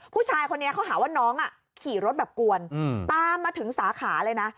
ผู้ชายคนนี้เขาหาว่าน้องขี่รถแบบกวนตามมาถึงสาขาเลยนะ